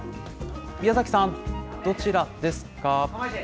宮崎さん、どちらですか。